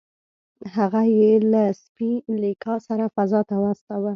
هغه یې له سپي لیکا سره فضا ته واستاوه